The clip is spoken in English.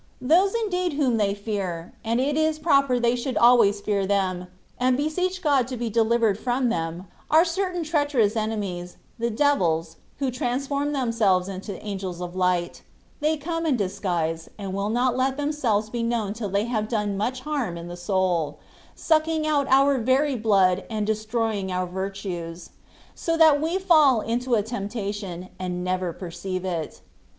Those indeed whom they fear, and it is proper they should always fear them, and beseech God to be delivered from them, are certain treacherous enemies — the devils, who transform themselves into angels of light : they come in disguise, and will not let themselves be known till they have done much harm in the soul, sucking out our very blood and destroying our virtues, so that we fall into a temptation, and never perceive it.